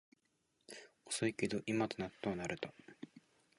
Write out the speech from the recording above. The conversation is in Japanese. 遅いけど今となっては慣れた